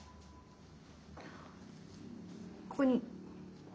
ここに。